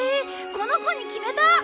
この子に決めた！